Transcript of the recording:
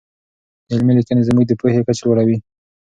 علمي لیکنې زموږ د پوهې کچه لوړوي.